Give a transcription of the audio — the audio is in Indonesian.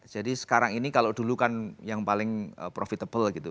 jadi sekarang ini kalau dulu kan yang paling profitable gitu